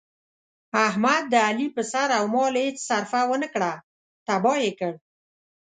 احمد د علي په سر او مال هېڅ سرفه ونه کړه، تیاه یې کړ.